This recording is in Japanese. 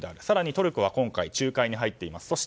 更にトルコは今回、仲介に入っています。